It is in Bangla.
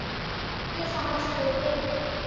কেউ সাহায্য করবে?